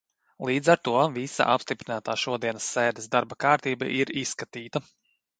Līdz ar to visa apstiprinātā šodienas sēdes darba kārtība ir izskatīta.